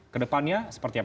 kedepannya seperti apa